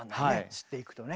知っていくとね。